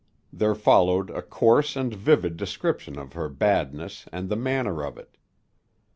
There followed a coarse and vivid description of her badness and the manner of it.